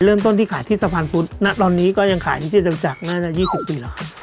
เริ่มต้นที่ขายที่สะพานพุธณตอนนี้ก็ยังขายที่จำจักรน่าจะ๒๐ปีแล้วครับ